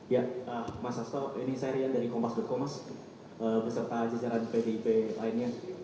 ya mas asto ini saya rian dari kompas com mas beserta jajaran pdip lainnya